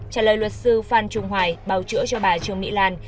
trả lời luật sư phan trung hoài bảo chữa cho bà trương mỹ lan